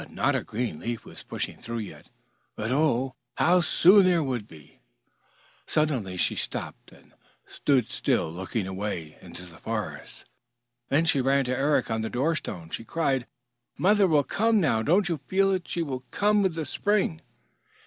Not a green leaf was pushing through yet, but oh, how soon there would be! Suddenly she stopped and stood still looking away into the forest. Then she ran to Eric on the door stone. She cried, "Mother will come now. Don't you feel it? She will come with the spring!"